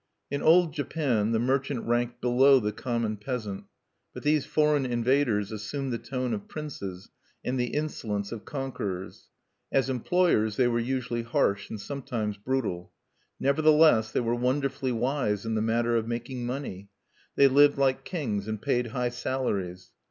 In old Japan the merchant ranked below the common peasant; but these foreign invaders assumed the tone of princes and the insolence of conquerors. As employers they were usually harsh, and sometimes brutal. Nevertheless they were wonderfully wise in the matter of making money; they lived like kings and paid high salaries.